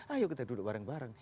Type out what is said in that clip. ayo kita duduk bareng bareng